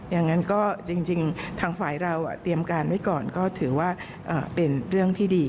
อย่างนั้นก็จริงทางฝ่ายเราเตรียมการไว้ก่อนก็ถือว่าเป็นเรื่องที่ดี